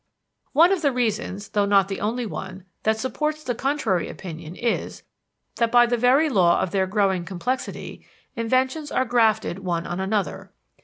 One of the reasons though not the only one that supports the contrary opinion is, that by the very law of their growing complexity, inventions are grafted one on another.